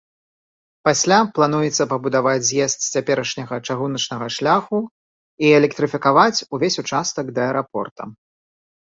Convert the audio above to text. Пасля плануецца пабудаваць з'езд з цяперашняга чыгуначнага шляху і электрыфікаваць увесь участак да аэрапорта.